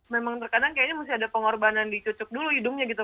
memang terkadang kayaknya masih ada pengorbanan dicucuk dulu hidungnya gitu